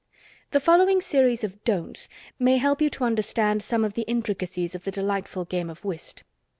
The following series of "Don'ts" may help you to understand some of the intricacies of the delightful game of whist.